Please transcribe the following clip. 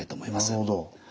なるほど。